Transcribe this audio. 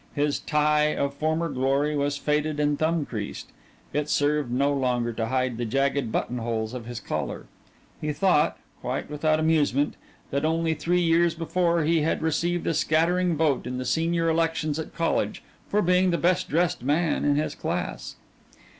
His tie, of former glory, was faded and thumb creased it served no longer to hide the jagged buttonholes of his collar. He thought, quite without amusement, that only three years before he had received a scattering vote in the senior elections at college for being the best dressed man in his class.